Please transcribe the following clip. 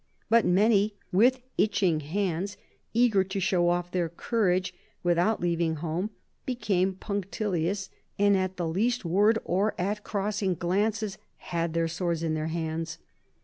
But many, with itching hands, eager to show off their courage without leaving home, became punctilious, and at the least word, or at crossing glances, had their swords in their hands.